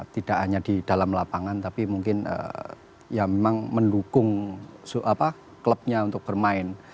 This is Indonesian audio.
tidak hanya di dalam lapangan tapi mungkin ya memang mendukung klubnya untuk bermain